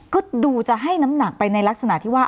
ก็ดูจะให้น้ำหนักไปในลักษณะที่ว่า